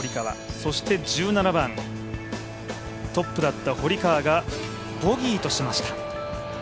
そして１７番、トップだった堀川がボギーとしました。